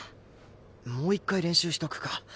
もう一回練習しとくか。